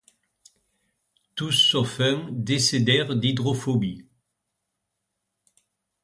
Tous sauf un décédèrent d'hydrophobie.